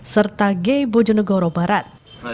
serta gay bojonegoro barat